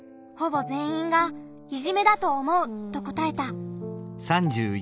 ほぼ全員が「いじめだと思う」と答えた。